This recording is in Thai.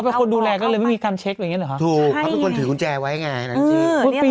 เป็นคนดูแลก็เลยไม่มีการเช็คอย่างเงี้เหรอคะถูกเขาเป็นคนถือกุญแจไว้ไงหนังสือ